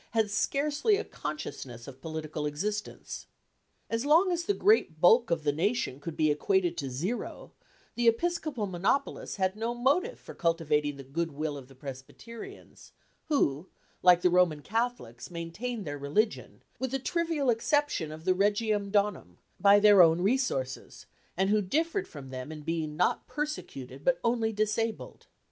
had scarcely a consciousness of political existence. As long as the great bulk of the nation could be equated to zero, the Episcopal monopolists had no motive for cultivating the good will of the Presbyterians, who like the Roman Catholics maintained their religion, with the trivial exception of the Regium Donum, by their own resources, and who differed from them in being not persecuted, but only disabled.